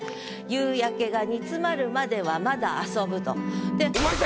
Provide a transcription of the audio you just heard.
「夕焼が煮詰まるまではまだ遊ぶ」と。